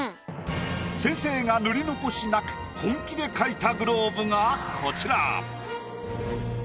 先生が塗り残しなく本気で描いたグローブがこちら。